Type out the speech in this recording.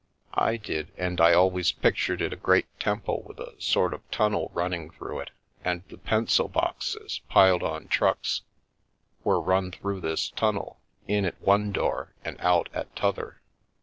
I did, and I always pic /Lr* The Milky Way tured it a great temple with a sort of tunnel running through it, and the pencil boxes, piled on trucks, were run through this tunnel — in at one door and out at t'other.